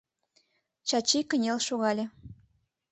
Чачи кынел шогале.